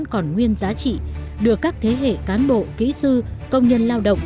còn nguyên giá trị được các thế hệ cán bộ kỹ sư công nhân lao động